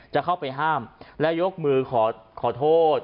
จะเข้าไปห้ามและยกมือขอโทษ